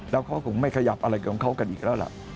แล้วเขาคงไม่ขยับอะไรของเขากันอีกแล้วล่ะ